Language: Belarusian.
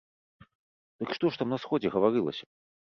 Дык што ж там на сходзе гаварылася?